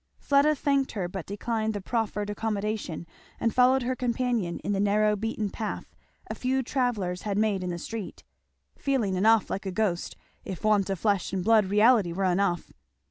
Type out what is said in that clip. Fleda thanked her but declined the proffered accommodation, and followed her companion in the narrow beaten path a few travellers had made in the street, feeling enough like a ghost, if want of flesh and blood reality were enough.